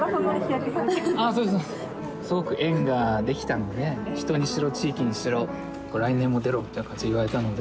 すごく縁ができたので人にしろ地域にしろ来年も出ろみたいな感じで言われたので。